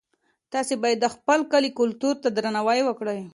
تاسي باید د خپل کلي کلتور ته درناوی وکړئ.